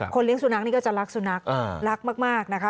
เลี้ยสุนัขนี่ก็จะรักสุนัขรักมากนะคะ